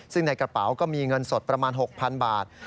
ซึ่งในกระเป๋าก็มีเงินสดประมาณ๖๐๐๐บาท